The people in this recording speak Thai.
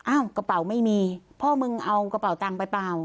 กระเป๋าไม่มีพ่อมึงเอากระเป๋าตังค์ไปเปล่า